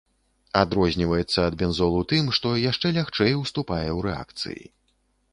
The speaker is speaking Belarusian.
Адрозніваецца ад бензолу тым, што яшчэ лягчэй уступае ў рэакцыі.